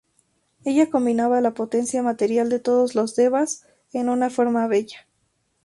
Ella combinaba la potencia material de todos los devas en una forma bella.